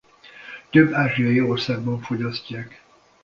Több ázsiai országban fogyasztják.